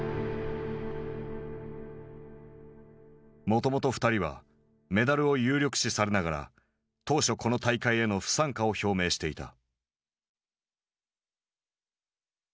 もともと２人はメダルを有力視されながら当初この大会への不参加を表明していた。